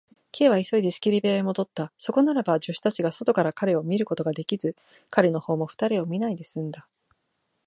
Ｋ は急いで仕切り部屋へもどった。そこならば、助手たちが外から彼を見ることができず、彼のほうも二人を見ないですんだ。